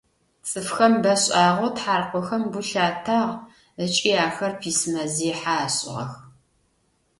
Цӏыфхэм бэшӏагъэу тхьаркъохэм гу лъатагъ ыкӏи ахэр письмэзехьэ ашӏыгъэх.